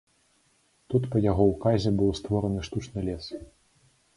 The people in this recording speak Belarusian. Тут па яго ўказе быў створаны штучны лес.